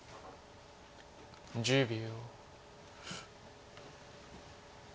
１０秒。